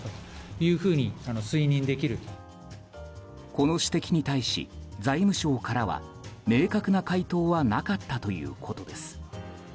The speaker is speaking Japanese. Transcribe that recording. この指摘に対し、財務省からは明確な回答はなかったということです。